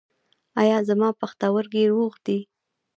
ایا زما پښتورګي روغ دي؟